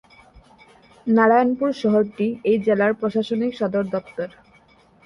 নারায়ণপুর শহরটি এই জেলার প্রশাসনিক সদর দফতর।